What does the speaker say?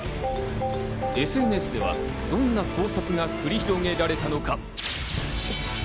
ＳＮＳではどんな考察が繰り広げられたのか。